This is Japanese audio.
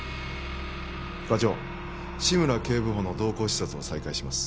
課長志村警部補の動向視察を再開します